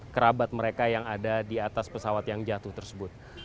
kerabat mereka yang ada di atas pesawat yang jatuh tersebut